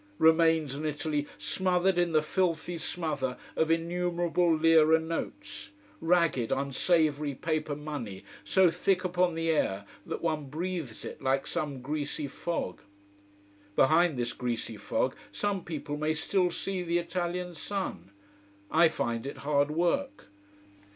Remains an Italy smothered in the filthy smother of innumerable Lira notes: ragged, unsavoury paper money so thick upon the air that one breathes it like some greasy fog. Behind this greasy fog some people may still see the Italian sun. I find it hard work.